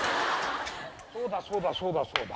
そうだそうだそうだそうだ。